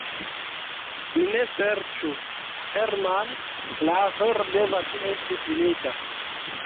Ni ne ŝercu, Herman, la afero devas esti finita.